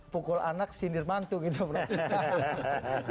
pukul anak sindir mantu gitu prof